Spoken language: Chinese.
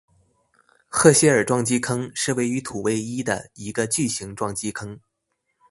赫歇尔撞击坑是位于土卫一的一个巨型撞击坑。